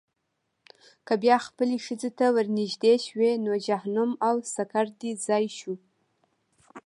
که بیا خپلې ښځې ته ورنېږدې شوې، نو جهنم او سقر دې ځای شو.